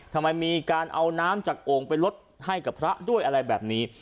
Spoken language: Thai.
ทำไมมีการเอาน้ำจากโอ่งไปลดให้กับพระด้วยอะไรแบบนี้